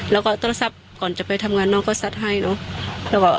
แล้วก็โทรศัพท์ก่อนจะไปทำงานน้องเขาสัดให้เนอะ